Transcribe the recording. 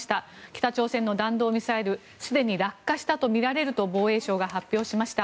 北朝鮮の弾道ミサイルがすでに落下したとみられると防衛省が発表しました。